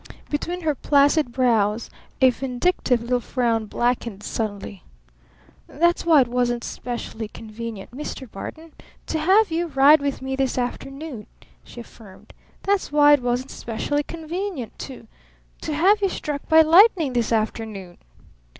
Between her placid brows a vindictive little frown blackened suddenly. "That's why it wasn't specially convenient, Mr. Barton to have you ride with me this afternoon," she affirmed. "That's why it wasn't specially convenient to to have you struck by lightning this afternoon!"